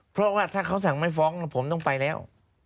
เพราะว่าถ้าเขาสั่งไม่ฟ้องผมต้องไปแล้ว